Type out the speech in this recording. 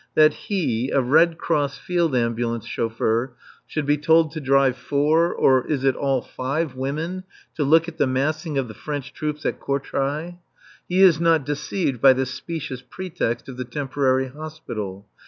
That he, a Red Cross Field Ambulance chauffeur, should be told to drive four or is it all five? women to look at the massing of the French troops at Courtrai! He is not deceived by the specious pretext of the temporary hospital.